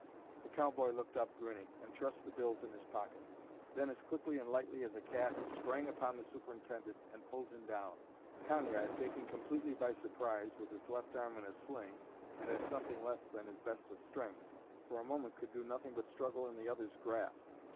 The cowboy looked up, grinning, and thrust the bills in his pocket. Then, as quickly and lightly as a cat, he sprang upon the superintendent and pulled him down. Conrad, taken completely by surprise, with his left arm in a sling and at something less than his best of strength, for a moment could do nothing but struggle in the other's grasp.